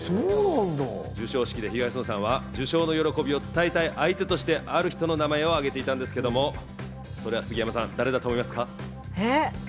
授賞式で東野さんは受賞の喜びを伝えたい相手として、ある方の名前を伝えていたんですけど、杉山さん、誰だと思いますか？